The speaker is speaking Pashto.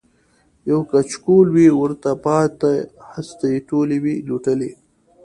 یو کچکول وي ورته پاته هستۍ ټولي وي لوټلي